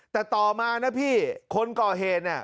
แต่ต่อมานะพี่คนก่อเหตุเนี่ย